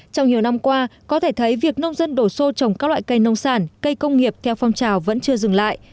trong nhiều năm qua có thể thấy việc nông dân đổ xô trồng các loại cây nông sản cây công nghiệp theo phong trào vẫn chưa dừng lại